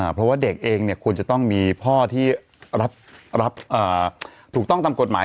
เพราะว่าเด็กเองควรจะต้องมีพ่อที่รับถูกต้องตามกฎหมาย